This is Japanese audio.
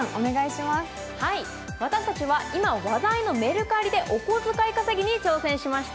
私たちは今、話題のメルカリでお小遣い稼ぎに挑戦しました。